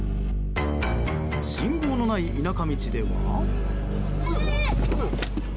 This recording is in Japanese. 信号のない田舎道では。